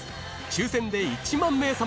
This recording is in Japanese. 抽選で１万名様に！